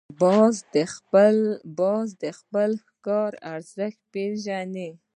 باز د خپل ښکار ارزښت پېژني